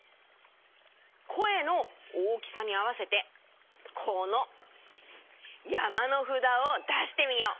こえの大きさにあわせてこのやまのふだをだしてみよう。